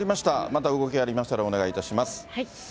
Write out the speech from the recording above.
また動きがありましたらお願いいたします。